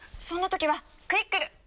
そんなときは「クイックル」